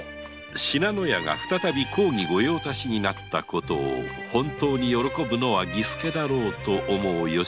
信濃屋が再び公儀御用達になったことを本当に喜ぶのは儀助だろうと思う吉宗の心を爽やかな風が吹き抜けた